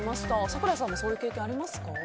咲楽さんもそういう経験ありますか。